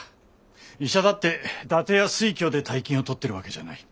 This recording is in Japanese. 医者だって伊達や酔狂で大金を取ってるわけじゃない。